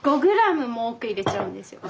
５ｇも多く入れちゃうんですよ。